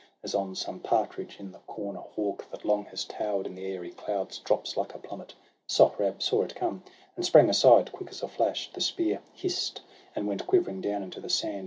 As on some partridge in the corn a hawk That long has tower'd in the airy clouds Drops like a plummet; Sohrab saw it come, And sprang aside, quick as a flash; the spear Hiss'd, and went quivering down into the sand.